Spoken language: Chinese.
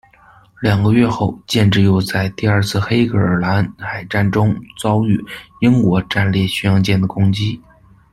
两个月后，舰只又在第二次黑尔戈兰海战中遭到英国战列巡洋舰的攻击。